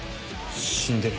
死んでる。